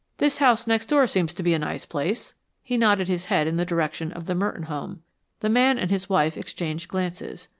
"This house next door seems to be a nice place." He nodded his head in the direction of the Merton home. The man and his wife exchanged glances.